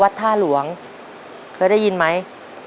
ท่าหลวงเคยได้ยินไหม